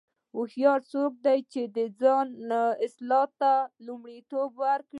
هوښیار څوک دی چې د ځان اصلاح ته لومړیتوب ورکوي.